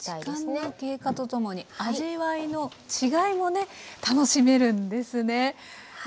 時間の経過とともに味わいの違いもね楽しめるんですね。